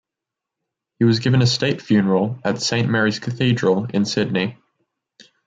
He was given a state funeral at Saint Mary's Cathedral in Sydney.